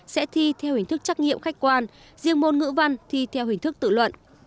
sẽ thi theo hình thức trắc nghiệm khách quan riêng môn ngữ văn thi theo hình thức tự luận